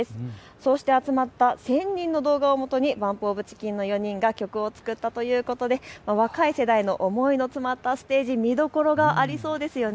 そうして集まった１０００人の動画をもとにＢＵＭＰＯＦＣＨＩＣＫＥＮの４人が曲を作ったということで若い世代の思いの詰まったステージ、見どころがありそうですよね。